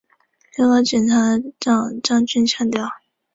最高检检察长张军强调